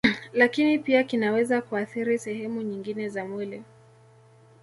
Lakini pia kinaweza kuathiri sehemu nyingine za mwili